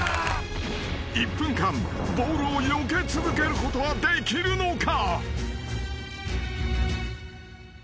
［１分間ボールをよけ続けることはできるのか？］